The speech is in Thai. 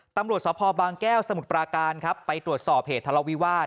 ตำรวจสภบางแก้วสมุทรปราการครับไปตรวจสอบเหตุทะเลาวิวาส